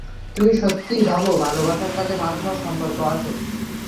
তুমি সত্যিই ভাবো ভালোবাসার সাথে মানুষ হওয়ার সম্পর্ক আছে?